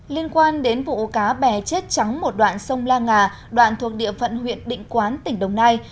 liên quan đến vụ cá bè chết trắng một đoạn sông la ngà đoạn thuộc địa phận huyện định quán tỉnh đồng nai